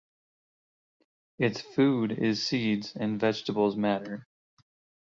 Its food is seeds and vegetable matter.